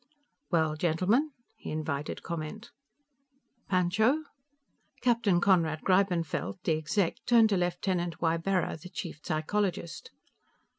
"Well, gentlemen?" He invited comment. "Pancho?" Captain Conrad Greibenfeld, the Exec., turned to Lieutenant Ybarra, the chief psychologist.